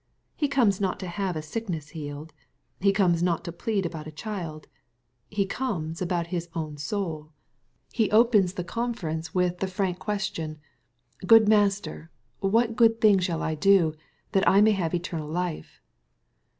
He comes not to have a sickness healed. He comes not to plead about a child. He comes about his own soul. He .( 238 EXPOSITORY THOUQHTS. opens the conference with the frank question^ ^^ Good Master, what good thing shall I do, that I may have eternal life